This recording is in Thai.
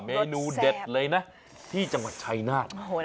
เมนูเด็ดเลยนะที่จังหวัดชายนาฏ